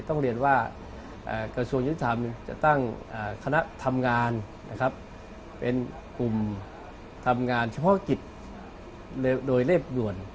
ต้องเรียนว่ากระทรวงยุติธรรมจะตั้งคณะทำงานนะครับเป็นกลุ่มทำงานเฉพาะกิจโดยเร่งด่วน